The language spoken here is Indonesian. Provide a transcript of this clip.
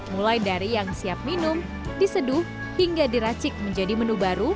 mulai dari yang siap minum diseduh hingga diracik menjadi menu baru